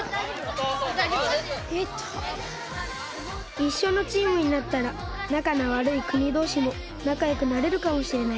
いっしょのチームになったらなかのわるいくにどうしもなかよくなれるかもしれない。